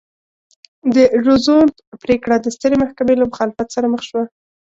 د روزولټ پرېکړه د سترې محکمې له مخالفت سره مخ شوه.